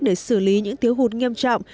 để xử lý những thiếu hụt nghiêm trọng